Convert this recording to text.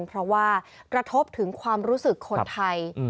เพราะว่ากระทบถึงความรู้สึกคนไทย